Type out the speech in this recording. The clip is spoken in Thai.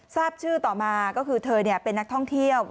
ทราบชื่อต่อมาก็คือเธอเป็นนักท่องเที่ยว